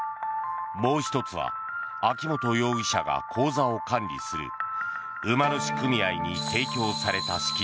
もう１つは秋本容疑者が口座を管理する馬主組合に提供された資金